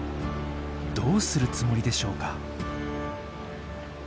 どうするつもりでしょうか？